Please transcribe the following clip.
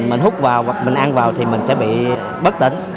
mình hút vào hoặc mình ăn vào thì mình sẽ bị bất tỉnh